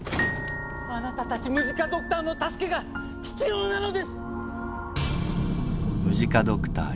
あなたたちムジカ・ドクターの助けが必要なのです！